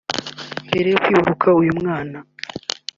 Mbere yo kwibaruka uyu mwana